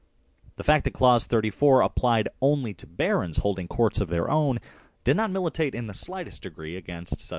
The fact that clause 34 applied only to barons holding courts of their own did not militate in the slightest degree against such an interpretation.